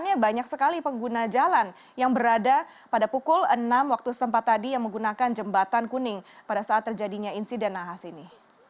ini banyak sekali pengguna jalan yang berada pada pukul enam waktu setempat tadi yang menggunakan jembatan kuning pada saat terjadinya insiden nahas ini